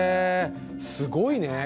すごいね！